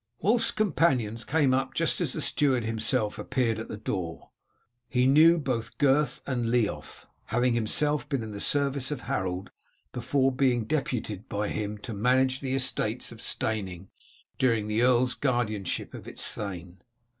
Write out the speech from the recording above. Wulf's companions came up just as the steward himself appeared at the door. He knew both Gurth and Leof, having himself been in the service of Harold before being deputed by him to manage the estates of Steyning during the earl's guardianship of its thane.